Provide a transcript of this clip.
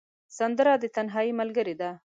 سندره د تنهايي ملګرې ده